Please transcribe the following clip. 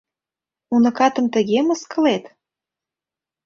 Уныкатым тыге мыскылет?